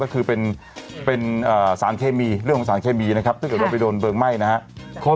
ก็คือเป็นสารเคมีเรื่องของสารเคมีนะครับถ้าเกิดว่าไปโดนเพลิงไหม้นะครับ